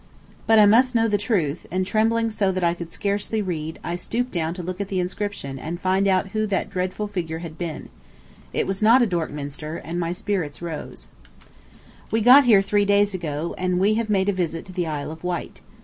But I must know the truth, and trembling so that I could scarcely read, I stooped down to look at the inscription and find out who that dreadful figure had been. It was not a Dorkminster, and my spirits rose. [Illustration: "This might be a Dorkminster"] We got here three days ago, and we have made a visit to the Isle of Wight.